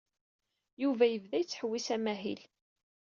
Yuba yebda yettḥewwis amahil.